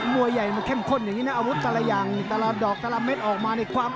มวยใหญ่มันเข้มข้นอย่างนี้นะอาวุธแต่ละอย่างตลอดดอกแต่ละเม็ดออกมาในความ